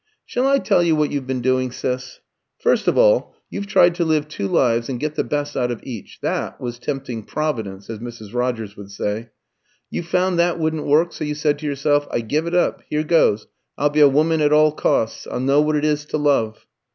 "Shall I tell you what you've been doing, Sis? First of all, you've tried to live two lives and get the best out of each. That was tempting Providence, as Mrs. Rogers would say. You found that wouldn't work, so you said to yourself, 'I give it up. Here goes; I'll be a woman at all costs. I'll know what it is to love.'"